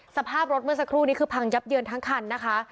สภาพรถเมื่อสักครู่นี้คือพังยับเยินทั้งคันนะคะ